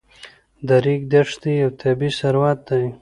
د ریګ دښتې یو طبعي ثروت دی.